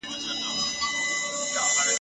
دا څو بیتونه مي، په ډېر تلوار ..